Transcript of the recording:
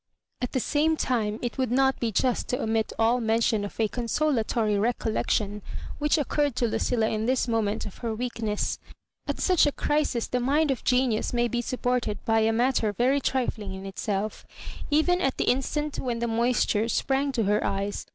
At the same time, it would not be just to omit all mention of a consolatory recollection which occurred to Lucilla in this moment of her weak ness. At such a crisis the mind of genius may be supported by a matter very trifling in itselC Even at the instant when the moisture sprang to her eyes.